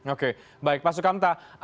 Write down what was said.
oke baik pak sukamta